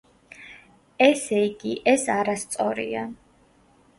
ესეიგი ეს არასწორია.